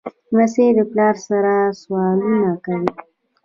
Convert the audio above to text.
لمسی د پلار سره سوالونه کوي.